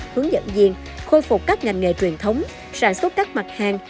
hướng dẫn viên khôi phục các ngành nghề truyền thống sản xuất các mặt hàng